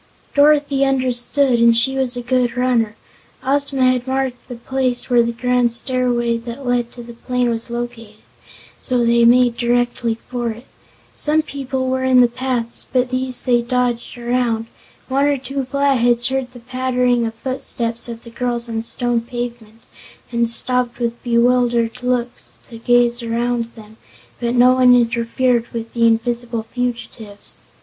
Dorothy understood and she was a good runner. Ozma had marked the place where the grand stairway that led to the plain was located, so they made directly for it. Some people were in the paths but these they dodged around. One or two Flatheads heard the pattering of footsteps of the girls on the stone pavement and stopped with bewildered looks to gaze around them, but no one interfered with the invisible fugitives.